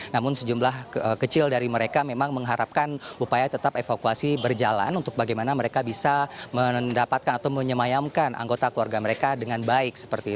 namun sejumlah kecil dari mereka memang mengharapkan upaya tetap evakuasi berjalan untuk bagaimana mereka bisa mendapatkan atau menyemayamkan anggota keluarga mereka dengan baik